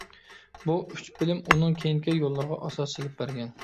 بۇ ئۈچ فىلىم ئۇنىڭ كېيىنكى يوللىرىغا ئاساس سېلىپ بەرگەن.